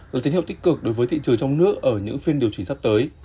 được tín hiệu tích cực đối với thị trường trong nước ở những phiên điều chỉnh sắp tới